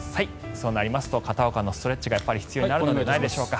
そうなりますと片岡のストレッチが必要になるのではないでしょうか。